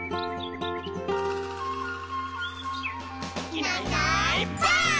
「いないいないばあっ！」